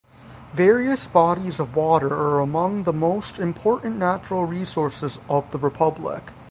Various bodies of water are among the most important natural resources of the Republic.